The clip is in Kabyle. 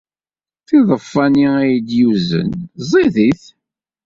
Tiḍeffa-nni ay iyi-d-yuzen ẓidit.